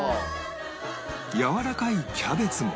やわらかいキャベツも